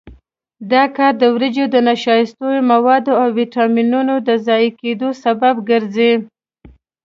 دا کار د وریجو د نشایستوي موادو او ویټامینونو د ضایع کېدو سبب ګرځي.